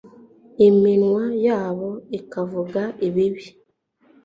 iminwa yabo ikavuga ibibi